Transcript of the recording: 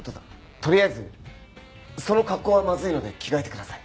とりあえずその格好はまずいので着替えてください。